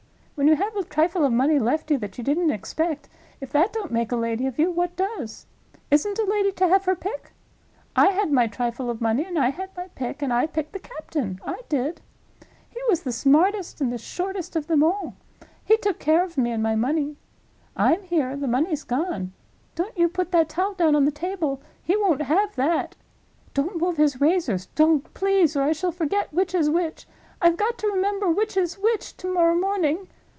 When you have a trifle of money left you that you didn't expect, if that don't make a lady of you, what does? Isn't a lady to have her pick? I had my trifle of money, and I had my pick, and I picked the captain—I did. He was the smartest and the shortest of them all. He took care of me and my money. I'm here, the money's gone. Don't you put that towel down on the table—he won't have that! Don't move his razors—don't, please, or I shall forget which is which. I've got to remember which is which to morrow morning.